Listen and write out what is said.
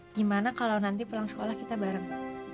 gimana kalau nanti pulang sekolah kita bareng